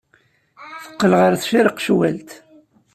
Teqqel ɣer tcirqecwalt.